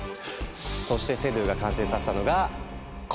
そしてセドゥが完成させたのがこのドローン。